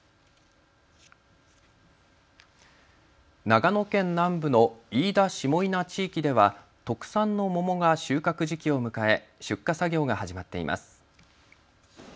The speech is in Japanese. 長野県南部の飯田下伊那地域では特産の桃が収穫時期を迎え出荷作業が始まっています。